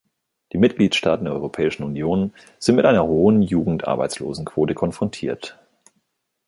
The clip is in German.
Die Mitgliedstaaten der Europäischen Union sind mit einer hohen Jugendarbeitslosenquote konfrontiert.